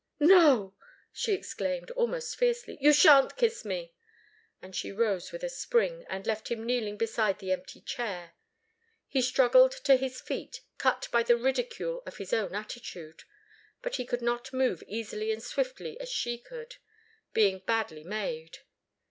"No!" she exclaimed, almost fiercely. "You shan't kiss me!" And she rose with a spring, and left him kneeling beside the empty chair. He struggled to his feet, cut by the ridicule of his own attitude. But he could not move easily and swiftly as she could, being badly made.